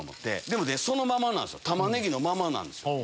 でもねそのままなんすよタマネギのままなんです。